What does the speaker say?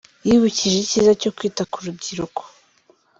Yibukije icyiza cyo kwita ku rubyiruko.